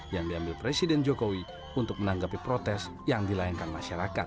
yang diambil presiden jokowi untuk menanggapi protes yang dilayangkan masyarakat